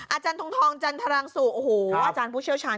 อาจารย์ทองทองจันทรังสู่อาจารย์ผู้เชี่ยวชาญ